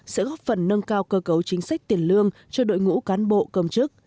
sẽ góp phần nâng cao cơ cấu chính sách tiền lương cho đội ngũ cán bộ công chức